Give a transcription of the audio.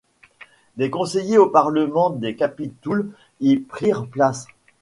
Des conseillers au parlement, des capitouls y prirent place.